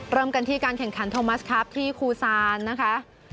เริ่มกันที่การแข่งขันโทมัสครับที่คูซานนะคะ